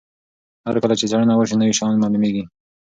هر کله چې څېړنه وسي نوي شیان معلومیږي.